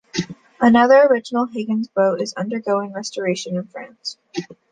Another original Higgins boat is undergoing restoration in France.